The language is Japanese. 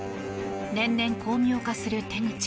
年々巧妙化する手口。